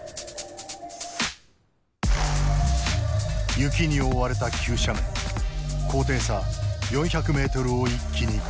雪に覆われた急斜面高低差４００ｍを一気に下る。